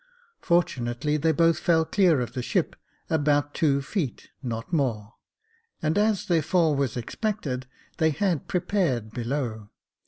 Fortunately they both fell clear of the ship about two feet, not more, and as their fall was expected, they had prepared below.